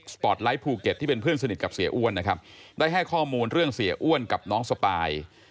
ปอร์ตไลท์ภูเก็ตที่เป็นเพื่อนสนิทกับเสียอ้วนนะครับได้ให้ข้อมูลเรื่องเสียอ้วนกับน้องสปาย